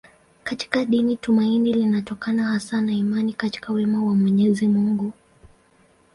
Katika dini tumaini linatokana hasa na imani katika wema wa Mwenyezi Mungu.